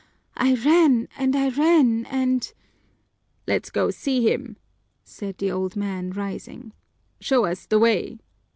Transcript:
I ran and I ran and " "Let's go see him," said the old man, rising. "Show us the way."